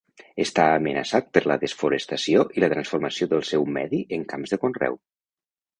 Està amenaçat per la desforestació i la transformació del seu medi en camps de conreu.